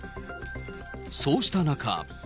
そうした中。